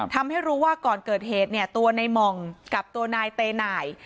ทำให้รู้ว่าก่อนเกิดเหตุเนี่ยตัวในหม่องกับตัวนายเตหน่าย